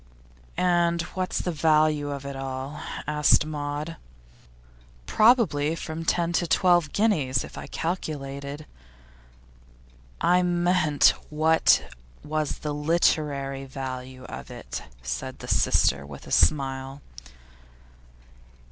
'And what's the value of it all?' asked Maud. 'Probably from ten to twelve guineas, if I calculated.' 'I meant, what was the literary value of it?' said his sister, with a smile.